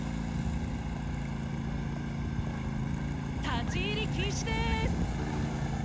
立ち入り禁止です！